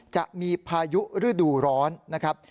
จะมีพายุฤดูร้อนนะครับ